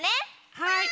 はい。